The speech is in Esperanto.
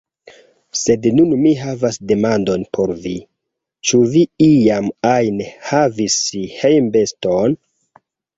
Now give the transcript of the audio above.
Sed nun mi havas demandon por vi, Ĉu vi, iam ajn, havis hejmbeston?